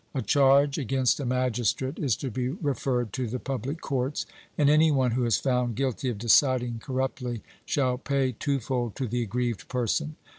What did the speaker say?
A charge against a magistrate is to be referred to the public courts, and any one who is found guilty of deciding corruptly shall pay twofold to the aggrieved person.